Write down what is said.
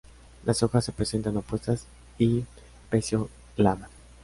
Las hojas se presentan opuestas y pecioladas.